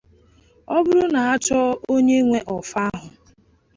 Ọ bụrụ na a chọọ onye nwe ọfọ ahụ